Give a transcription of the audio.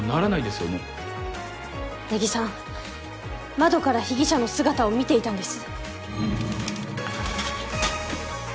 窓から被疑者の姿を見ていたんです。